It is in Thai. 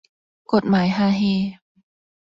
กฎหมายฮาเฮ